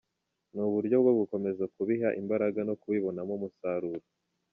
Ni uburyo bwo gukomeza kubiha imbaraga no kubibonamo umusaruro.